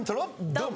ドン！